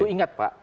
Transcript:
itu ingat pak